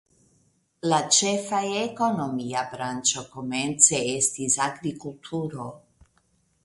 La ĉefa ekonomia branĉo komence estis agrikulturo.